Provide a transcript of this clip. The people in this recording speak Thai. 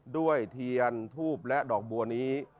ด้วยเทียนทูปและดอกบัวนี้